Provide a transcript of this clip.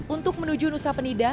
untuk menuju nusa penida